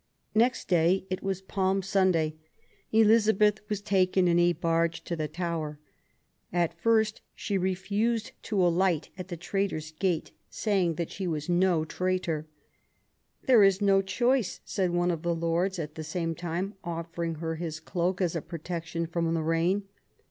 Next day, it was Palm Sunday, Elizabeth was taken in a barge to the Tower. At first she refused to alight at the Traitor's Gate, saying she was no traitor. There is no choice, said one of the Lords, at the same time offering her his cloak as a protection from the rain.